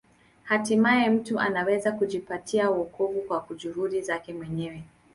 Hatimaye mtu anaweza kujipatia wokovu kwa juhudi zake mwenyewe.